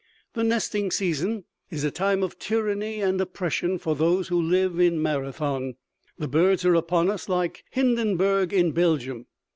The nesting season is a time of tyranny and oppression for those who live in Marathon. The birds are upon us like Hindenburg in Belgium.